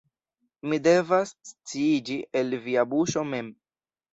Mi devas sciiĝi el via buŝo mem.